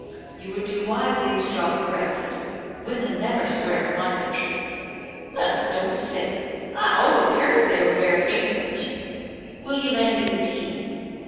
"You would do wisely to drop the rest; women never swear in my country." "Well, you don't say! I always heer'd they were very ignorant. Will you lend me the tea?"